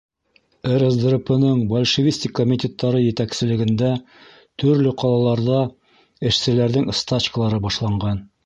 РСДРП-ның большевистик комитеттары етәкселегендә төрлө ҡалаларҙа эшселәрҙең стачкалары башланған.